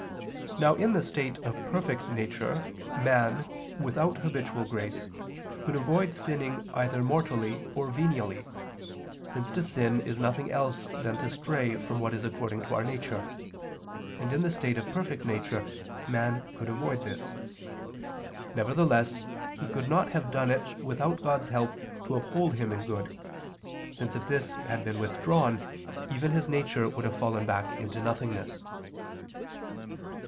Now in the state of perfect nature, man, without habitual grace, could avoid sinning either mortally or venially; since to sin is nothing else than to stray from what is according to our nature and in the state of perfect nature man could avoid this. Nevertheless he could not have done it without God's help to uphold him in good, since if this had been withdrawn, even his nature would have fallen back into nothingness.